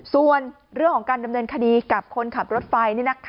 ส่วนเรื่องของการดำเนินคดีกับคนขับรถไฟ